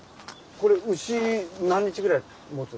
これ牛何日ぐらいもつんですか？